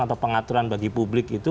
atau pengaturan bagi publik itu